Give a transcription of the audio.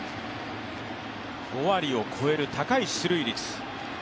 ５割を超える高い出塁率。